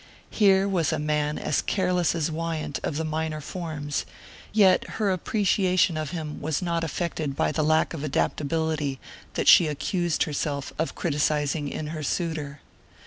Here was a man as careless as Wyant of the minor forms, yet her appreciation of him was not affected by the lack of adaptability that she accused herself of criticizing in her suitor.